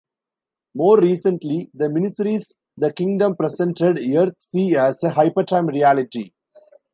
More recently, the miniseries "The Kingdom" presented Earth-C as a Hypertime reality.